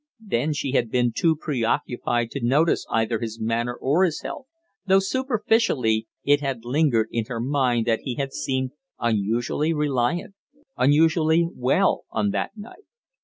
Then she had been too preoccupied to notice either his manner or his health, though superficially it had lingered in her mind that he had seemed unusually reliant, unusually well on that night.